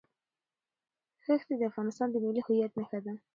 ښتې د افغانستان د ملي هویت نښه ده.